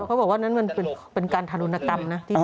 เขาบอกว่านั่นเป็นการธนุนกรรมนะ